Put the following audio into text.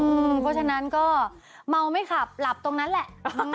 เพราะฉะนั้นก็เมาไม่ขับหลับตรงนั้นแหละ